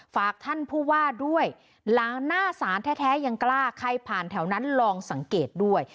ฝากท่านผู้ว่าด้วยหลังหน้าศาลแท้ยังกล้าใครผ่านแถวนั้นลองสังเกตด้วย